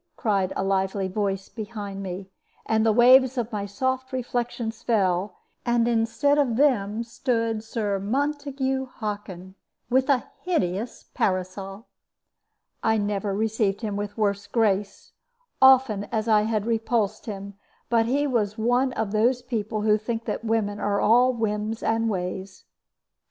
cried a lively voice behind me, and the waves of my soft reflections fell, and instead of them stood Sir Montague Hockin, with a hideous parasol. I never received him with worse grace, often as I had repulsed him; but he was one of those people who think that women are all whims and ways.